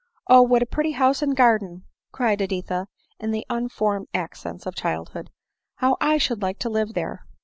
"Oh! what a pretty house and garden!" cried Edi tha in the unformed accents of childhood ;—" how I should like to live there